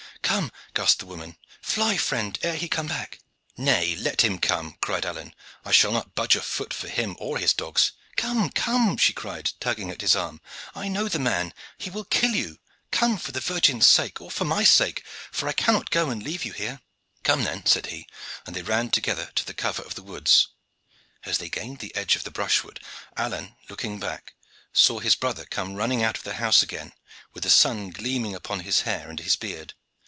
"Come!" gasped the woman. "Fly, friend, ere he come back." "Nay, let him come!" cried Alleyne. "I shall not budge a foot for him or his dogs." "Come, come!" she cried, tugging at his arm. "I know the man: he will kill you. Come, for the Virgin's sake, or for my sake, for I cannot go and leave you here." "Come, then," said he; and they ran together to the cover of the woods. As they gained the edge of the brushwood, Alleyne, looking back, saw his brother come running out of the house again, with the sun gleaming upon his hair and his beard.